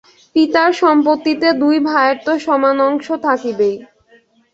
পিতার সম্পত্তিতে দুই ভায়ের তো সমান অংশ থাকিবেই।